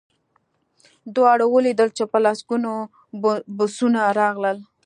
دواړو ولیدل چې په لسګونه بسونه راغلل